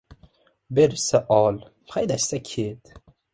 • Berishsa — ol, haydashsa — ket.